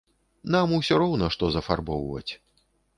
Нам усё роўна, што зафарбоўваць.